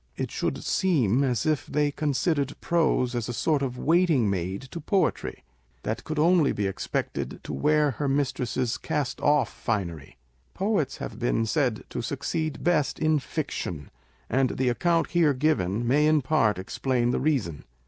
It should seem as if they considered prose as a sort of waiting maid to poetry, that could only be expected to wear her mistress's cast off finery. Poets have been said to succeed best in fiction ; and the account here given may in part explain the reason.